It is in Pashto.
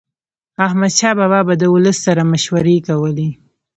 احمدشاه بابا به د ولس سره مشورې کولي.